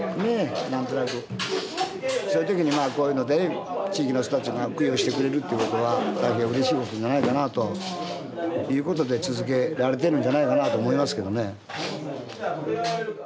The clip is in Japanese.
そういう時にこういうので地域の人たちが供養してくれるっていう事は大変うれしい事じゃないかなという事で続けられてるんじゃないかなと思いますけどね。